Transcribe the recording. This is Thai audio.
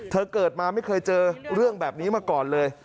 เกิดมาไม่เคยเจอเรื่องแบบนี้มาก่อนเลย